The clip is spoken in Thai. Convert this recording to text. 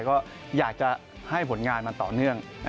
ก็อยากจะให้ผลงานมันต่อเนื่อง